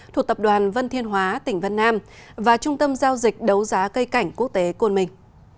thuộc tập đoàn vân thiên hóa tỉnh vân nam và trung tâm giao dịch đấu giá cây cảnh quốc tế côn mình